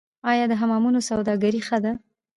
آیا د حمامونو سوداګري ښه ده؟